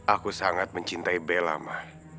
aku sangat mencintai bella ma